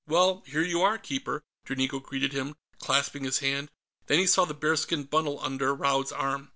"Well, here you are, Keeper," Dranigo greeted him, clasping his hand. Then he saw the bearskin bundle under Raud's arm.